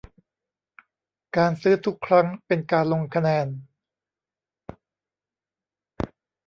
การซื้อทุกครั้งเป็นการลงคะแนน